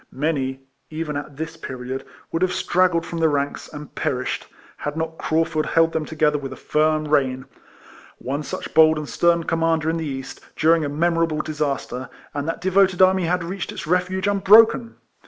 Many, even at this period, would have straggled from the ranks, and perished, had not Craufurd held them to gether with a firm rein. One such bold and stern commander in the East, during a memorable disaster, and that devoted army had reached its refuge unbroken